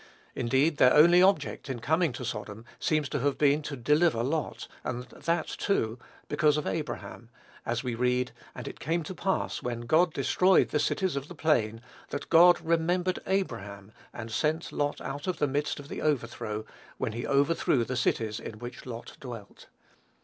Indeed, their only object in coming to Sodom seems to have been to deliver Lot, and that, too, because of Abraham; as we read: "And it came to pass, when God destroyed the cities of the plain, that God remembered Abraham, and sent Lot out of the midst of the overthrow, when he overthrew the cities in which Lot dwelt."